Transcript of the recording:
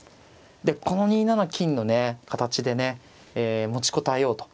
でこの２七金のね形でね持ちこたえようと。